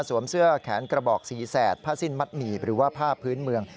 เสื้อแขนกระบอกสีแสดผ้าสิ้นมัดหมีบหรือว่าผ้าพื้นเมือง